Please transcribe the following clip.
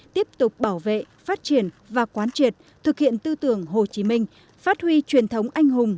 tiếp tục bảo vệ phát triển và quán triệt thực hiện tư tưởng hồ chí minh phát huy truyền thống anh hùng